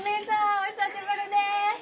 お久しぶりです